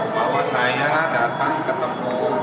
bahwa saya datang ketemu